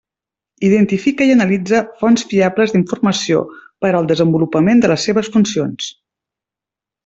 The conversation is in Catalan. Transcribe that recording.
Identifica i analitza fonts fiables d'informació per al desenvolupament de les seves funcions.